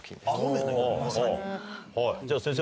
はいじゃあ先生